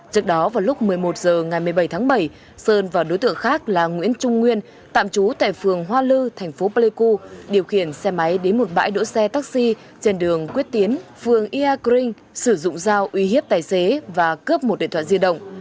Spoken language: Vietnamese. trước đó vào lúc một mươi một h ngày một mươi bảy tháng bảy sơn và đối tượng khác là nguyễn trung nguyên tạm trú tại phường hoa lư thành phố pleiku điều khiển xe máy đến một bãi đỗ xe taxi trên đường quyết tiến phường iagreing sử dụng dao uy hiếp tài xế và cướp một điện thoại di động